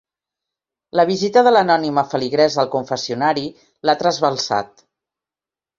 La visita de l'anònima feligresa al confessionari l'ha trasbalsat.